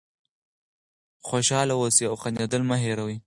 خوشحاله اوسئ او خندېدل مه هېروئ.